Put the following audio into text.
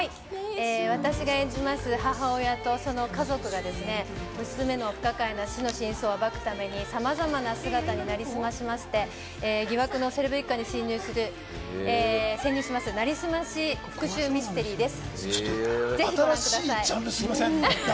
私が演じます母親とその家族がですね、娘の不可解な死の真相を暴くためにさまざまな姿に成り済ましまして、疑惑のセレブ一家に潜入する、なりすまし復讐ミステリーです。